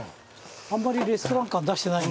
あんまりレストラン感出してないね。